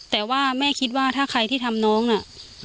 แต่ว่าแม่คิดว่าถ้าใครที่ทำน้องน่ะ